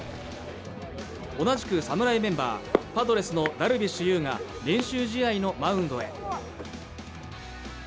同じく侍メンバー、パドレスのダルビッシュ有が練習試合のマウンドへ。